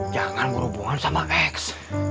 jangan berhubungan sama keks